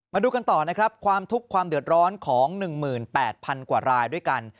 มาดูกันต่อนะครับความทุกข์ความเดือดร้อนของ๑๘๐๐๐กว่ารายด้วยกัน